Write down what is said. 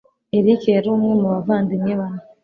Eric yari umwe mu bavandimwe bane.